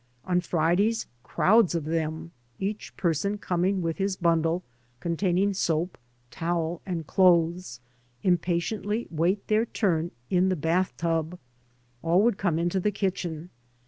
On Fridays crowds of them, each person coming with his bundle containing soap, towel, and cl6thes, impatiently wait their turn in the bath tub. All would come into the kitchen.